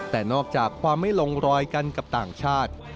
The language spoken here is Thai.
แต่นอกจากความไม่ลงรอยกันกับต่างชาติ